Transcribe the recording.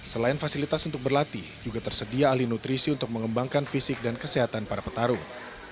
selain fasilitas untuk berlatih juga tersedia ahli nutrisi untuk mengembangkan fisik dan kesehatan para petarung